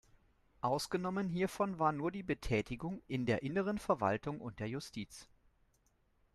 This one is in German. Ausgenommen hiervon war nur die Betätigung in der inneren Verwaltung und der Justiz.